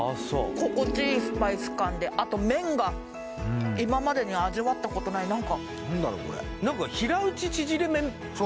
心地いいスパイス感であと麺が今までに味わったことない何か何か平打ちちぢれ麺